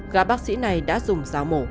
gã bác sĩ này đã dùng giáo mổ